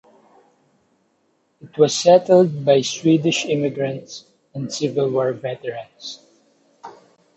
It was settled by Swedish immigrants and Civil War veterans.